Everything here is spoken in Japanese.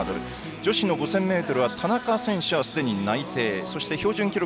女子の５０００ｍでは田中選手はすでに内定しています。